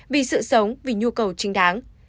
vì sự sống vì nhu cầu chính đáng